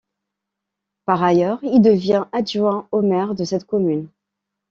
Par ailleurs, il devient adjoint au maire de cette commune.